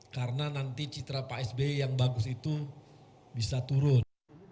karena nanti citra pak sby yang bagus itu bisa turun